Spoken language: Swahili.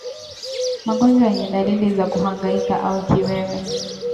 Magonjwa yenye dalili za kuhangaika au kiwewe